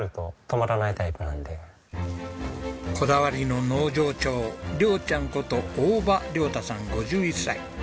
こだわりの農場長亮ちゃんこと大場亮太さん５１歳。